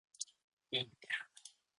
インテル